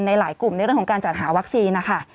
หลายกลุ่มในเรื่องของการจัดหาวัคซีนนะคะ